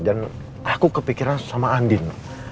dan aku kepikiran sama andin